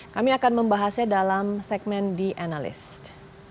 kami akan membahasnya dalam segmen the analyst